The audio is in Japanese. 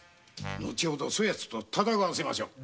後でそやつと戦わせましょう。